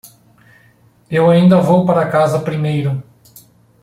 Eu ainda vou para casa primeiro.